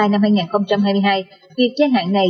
năm hai nghìn hai mươi hai việc gia hạn này